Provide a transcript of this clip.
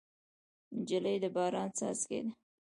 نجلۍ د باران څاڅکی ده.